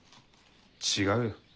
違うよ。